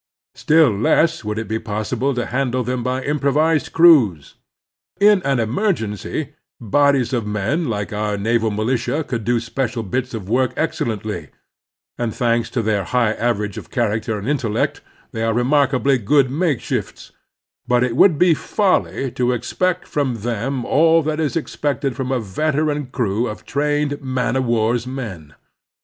Still less would it be possible to handle them by improvised crews. In an emergency bodies of men like our naval militia can do special bits of work excellently, and, thanks to their high average of character and in tellect, they are remarkably good makeshifts, but it would be folly to expect from them all that is expected from a veteran crew of trained man of war's men.